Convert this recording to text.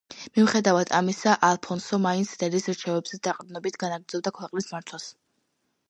მიუხედავად ამისა, ალფონსო მაინც დედის რჩევებზე დაყრდნობით განაგრძობდა ქვეყნის მართვას.